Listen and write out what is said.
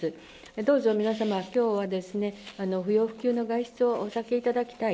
どうぞ皆様、きょうは不要不急の外出をお避けいただきたい。